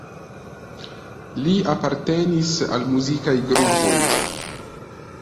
Li apartenis al muzikaj grupoj.